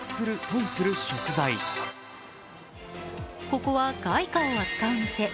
ここは外貨を扱う店。